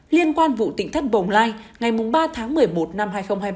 liên quan vụ tỉnh thất bồng lai ngày ba tháng một mươi một năm hai nghìn hai mươi ba